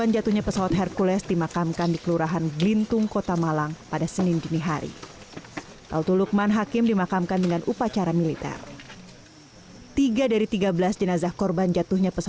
jangan lupa like share dan subscribe